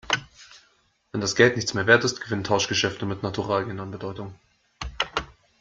Wenn das Geld nichts mehr Wert ist, gewinnen Tauschgeschäfte mit Naturalien an Bedeutung.